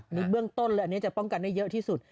ในนี้เบื้องต้นเลยจะป้องกันได้เยอะที่สุด